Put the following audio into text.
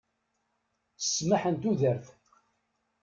Ssmaḥ n tudert.